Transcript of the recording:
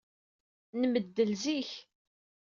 Nmeddel zik.